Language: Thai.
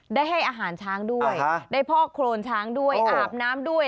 ได้ให้อาหารช้างด้วยได้พอกโครนช้างด้วยอาบน้ำด้วย